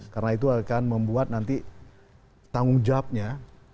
karena itu akan membuat nanti tanggung jawabnya